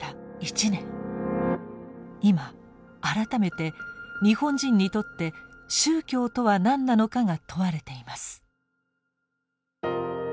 今改めて「日本人にとって宗教とは何なのか？」が問われています。